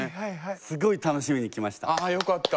すごい楽しみに来ました。